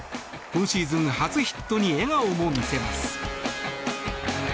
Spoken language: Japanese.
今シーズン初ヒットに笑顔も見せます。